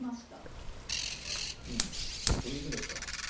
それだけですか？